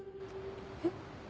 えっ？